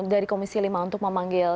dari komisi lima untuk memanggil